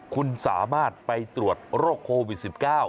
คุณสามารถไปตรวจโรคโควิด๑๙